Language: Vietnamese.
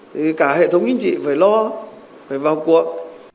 thì cả hệ thống chính trị phải lo phải vào cuộc